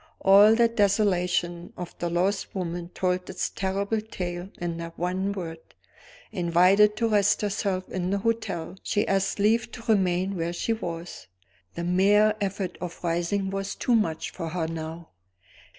All the desolation of the lost woman told its terrible tale in that one word. Invited to rest herself in the hotel, she asked leave to remain where she was; the mere effort of rising was too much for her now.